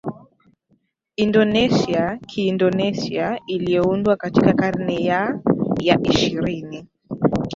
Indonesia Kiindonesia iliyoundwa katika karne ya ya ishirini